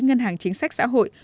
ngân hàng chính sách xã hội